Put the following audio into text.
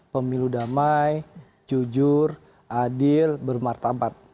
pemilu damai jujur adil bermartabat